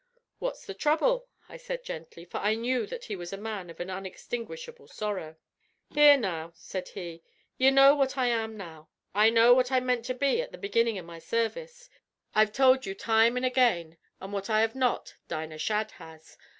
"What's the trouble?" I said gently, for I knew that he was a man of an inextinguishable sorrow. "Hear now," said he. "Ye know what I am now. I know what I mint to be at the beginnin' av my service. I've tould you time an' again, an' what I have not, Dinah Shadd has.